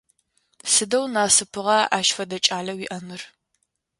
Сыдэу насыпыгъа ащ фэдэ кӏалэ уиӏэныр!